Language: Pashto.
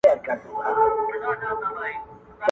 ویل پوه لا د ژوندون په قانون نه یې،